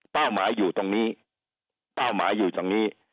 หมายอยู่ตรงนี้เป้าหมายอยู่ตรงนี้